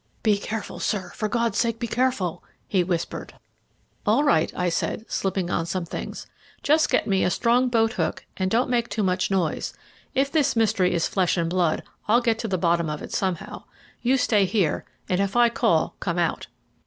"Be careful, sir; for God's sake, be careful," he whispered. "All right," I said, slipping on some things. "Just get me a good strong boat hook, and don't make too much noise. If this mystery is flesh and blood I'll get to the bottom of it somehow. You stay here; and if I call, come out."